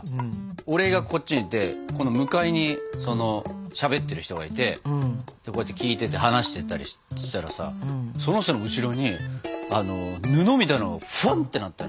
俺がこっちにいて向かいにしゃべってる人がいてこうやって聞いてて話してたりしてたらさその人の後ろに布みたいなのがふわってなったの。